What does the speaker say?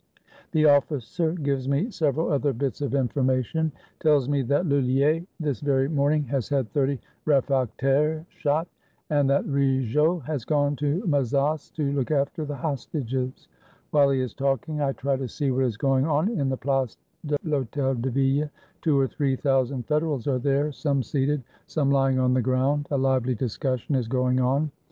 " The officer gives me several other bits of information : tells me that "Lullier this very morning has had thirty refractaires shot, and that Rigault has gone to Mazas to look after the hostages." While he is talking, I try to see what is going on in the Place de I'Hotel de Ville. Two or three thousand Federals are there, some seated, some lying on the ground. A lively discussion is going on.